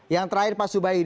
yang terakhir pak subahin